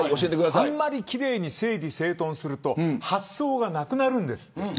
あんまり奇麗に整理整頓すると発想がなくなるんですって。